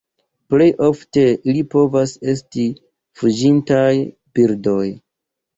Plej ofte ili povas esti fuĝintaj birdoj.